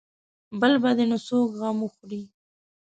بل به دې نو څوک غم وخوري.